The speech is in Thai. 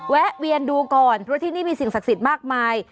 แวะเวียนดูก่อนเพราะที่นี่มีสิ่งศักดิ์สิทธิ์มากมาย